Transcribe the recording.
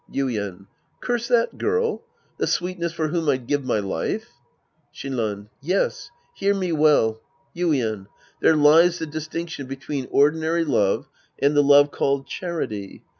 Yuien. Curse that girl? The sweetheart for whom I'd give my life ? Shinran. Yes. Here me well. Yuien. There lies the distinction between ordinary love and the love called charity.